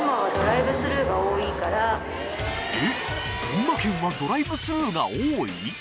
群馬県はドライブスルーが多い？